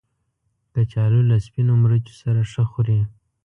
کچالو له سپینو مرچو سره ښه خوري